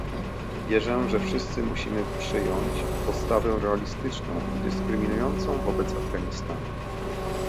Wierzę, że wszyscy musimy przyjąć postawę realistyczną i dyskryminującą wobec Afganistanu